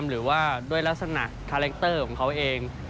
หรือว่าด้วยลักษณะคาแรคเตอร์ของเขาเอง